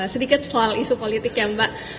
sedikit soal isu politik ya mbak